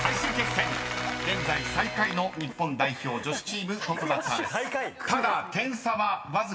［現在最下位の日本代表女子チームトップバッターです。